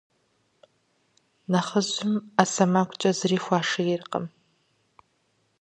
Нэхъыжьым Ӏэ сэмэгукӀэ зыри хуашийртэкъым.